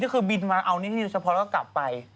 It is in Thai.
ก็คือบินมาเอานี่ที่เฉพาะแล้วก็กลับไป